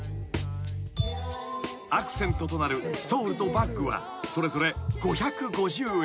［アクセントとなるストールとバッグはそれぞれ５５０円］